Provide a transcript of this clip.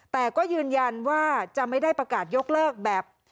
แต่ก็ยืนยันว่าจะไม่ได้ประกาศยกเลิกแบบ